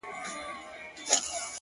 اوښـكه د رڼـــا يــې خوښــــه ســـوېده،